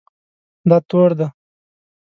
دا تور دی